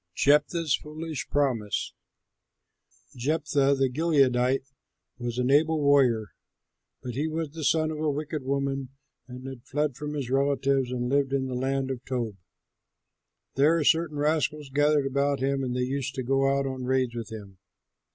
JEPHTHAH'S FOOLISH PROMISE Jephthah, the Gileadite, was an able warrior, but he was the son of a wicked woman, and had fled from his relatives and lived in the land of Tob. There certain rascals gathered about him, and they used to go out on raids with him.